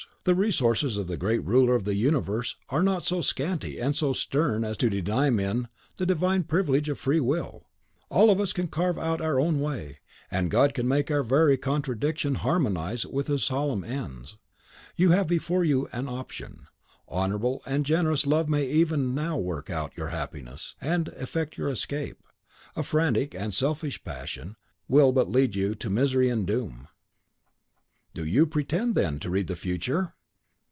The resources of the great Ruler of the Universe are not so scanty and so stern as to deny to men the divine privilege of Free Will; all of us can carve out our own way, and God can make our very contradictions harmonise with His solemn ends. You have before you an option. Honourable and generous love may even now work out your happiness, and effect your escape; a frantic and selfish passion will but lead you to misery and doom." "Do you pretend, then, to read the future?"